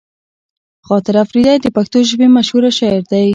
خاطر اپريدی د پښتو ژبې مشهوره شاعر دی